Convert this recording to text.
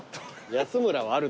「安村」はある。